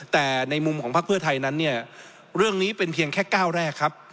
แต่ในมุมของพักเพื่อไทยนั้นเนี่ยเรื่องนี้เป็นเพียงแค่ก้าวแรกครับ